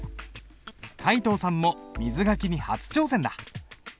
皆藤さんも水書きに初挑戦だ。